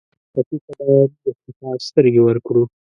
ټپي ته باید د شفقت سترګې ورکړو.